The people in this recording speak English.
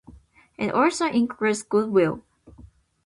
It also excludes goodwill.